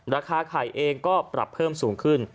ราคาไข่เองก็ปรับเพิ่มสูงขึ้น